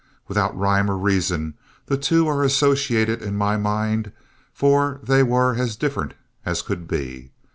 Without rhyme or reason the two are associated in my mind, for they were as different as could be.